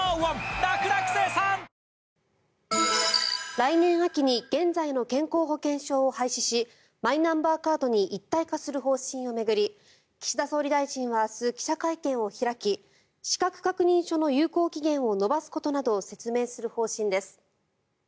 来年秋に現在の健康保険証を廃止しマイナンバーカードに一体化する方針を巡り岸田総理大臣は明日記者会見を開き資格確認書の有効期限を延ばすことなどを説明する方針です。